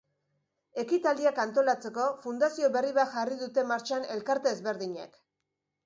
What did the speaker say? Ekitaldiak antolatzeko fundazio berri bat jarri dute martxan elkarte ezberdinek.